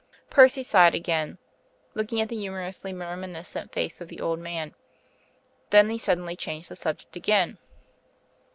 Percy sighed again, looking at the humorously reminiscent face of the old man. Then he suddenly changed the subject again.